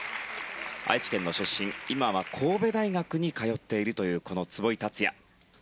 愛知県の出身、今は神戸大学に通っているというこの壷井達也です。